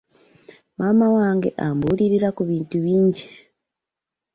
Maama wange ambuulirira ku bintu bingi.